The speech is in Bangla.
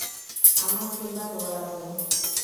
আমার সিম্বা দৌড়াবেও!